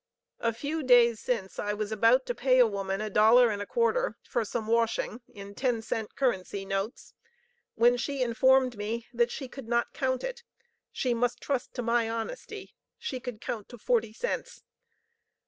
A few days since I was about to pay a woman a dollar and a quarter for some washing in ten cent (currency) notes, when she informed me that she could not count it; she must trust to my honesty she could count forty cents.